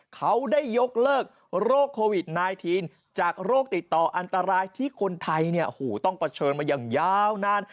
เขาได้ยกเลิกโรคโควิด๑๙จากโรคติดต่ออันตรายที่คนไทยต้องเผชิญมาอย่างยาวนาน